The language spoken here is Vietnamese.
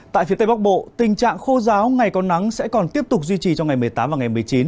tại phía tây bắc bộ tình trạng khô giáo ngày có nắng sẽ còn tiếp tục duy trì trong ngày một mươi tám và ngày một mươi chín